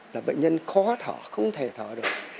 là bệnh nhân khó thở không thể thở được